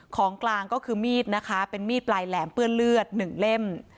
ของกลางก็คือมีดนะคะเป็นมีดปลายแหลมเปื้อนเลือดหนึ่งเล่ม